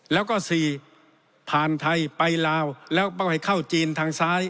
แล้วก็๔ผ่านไทยไปลาวแล้วต้องให้เข้าจีนทางซ้าย